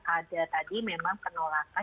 ada tadi memang penolakan